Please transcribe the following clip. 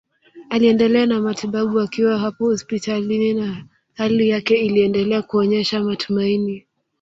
Aliendelea na matibabu akiwa hapo hospitali na hali yake iliendelea kuonesha matumaini